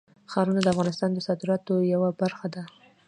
ښارونه د افغانستان د صادراتو یوه برخه ده.